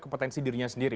kompetensi dirinya sendiri